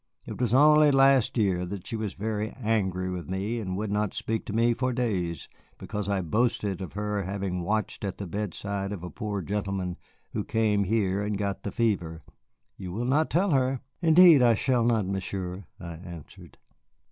It was only last year that she was very angry with me, and would not speak to me for days, because I boasted of her having watched at the bedside of a poor gentleman who came here and got the fever. You will not tell her?" "Indeed I shall not, Monsieur," I answered.